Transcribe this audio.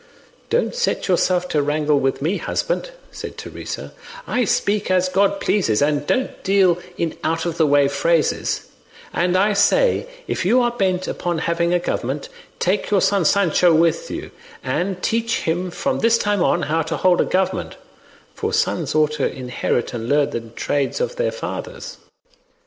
"Don't set yourself to wrangle with me, husband," said Teresa; "I speak as God pleases, and don't deal in out of the way phrases; and I say if you are bent upon having a government, take your son Sancho with you, and teach him from this time on how to hold a government; for sons ought to inherit and learn the trades of their fathers."